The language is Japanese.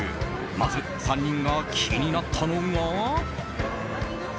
まず、３人が気になったのが。